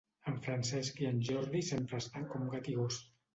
En Francesc i en Jordi sempre estan com gat i gos